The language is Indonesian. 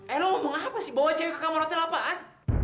eh lo ngomong apa sih bawa cewek ke kamar hotel apaan